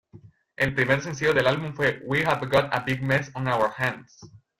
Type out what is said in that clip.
El primer sencillo del álbum fue "We've Got a Big Mess on Our Hands".